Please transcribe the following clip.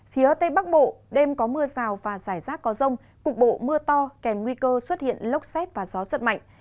phía tây bắc bộ đêm có mưa rào và rải rác có rông cục bộ mưa to kèm nguy cơ xuất hiện lốc xét và gió giật mạnh